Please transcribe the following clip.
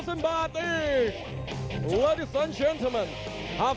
จิบลำตัวไล่แขนเสียบใน